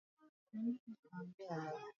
aarifa ya habari na tunaanzia nchini urusi